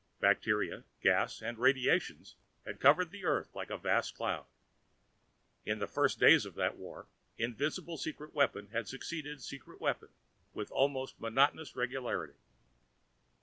Bacteria, gas and radiations had covered the Earth like a vast cloud. In the first days of that war, invincible secret weapon had succeeded secret weapon with almost monotonous regularity.